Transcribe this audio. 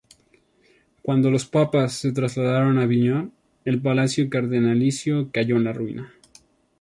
Cuando los papas se trasladaron a Aviñón, el Palacio Cardenalicio cayó en la ruina.